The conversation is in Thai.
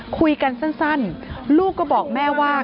คุยกันสั้นลูกก็บอกแม่ว่า